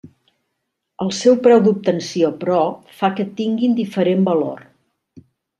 El seu preu d'obtenció, però, fa que tinguin diferent valor.